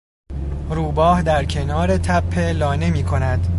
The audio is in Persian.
روباه در کنار تپه لانه میکند.